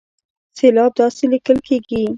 سېلاب داسې ليکل کېږي